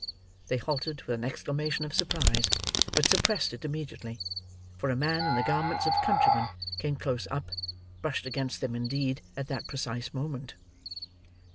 They halted with an exclamation of surprise, but suppressed it immediately; for a man in the garments of a countryman came close up—brushed against them, indeed—at that precise moment.